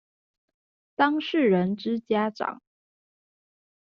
當事人之家長